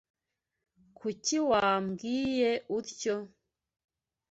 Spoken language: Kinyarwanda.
Kuki wambwiye utyo?